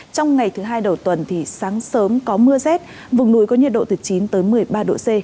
trong ngày thứ hai đầu tuần thì sáng sớm có mưa rét vùng núi có nhiệt độ từ chín tới một mươi ba độ c